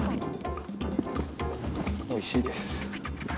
おいしいです。